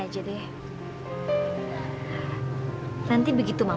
kau udah ngese beyond kunjung dulu lagi udah ruang lagi